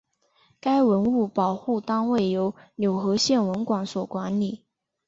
该文物保护单位由柳河县文管所管理。